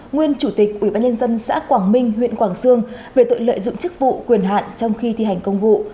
nguyên chủ tịch ủy ban nhân dân xã quảng minh huyện quảng xương về tội lợi dụng chức vụ quyền hạn trong khi thi hành công vụ